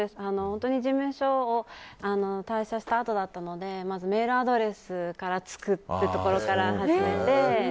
本当に事務所を退所したあとだったのでまずメールアドレスを作るところから初めて。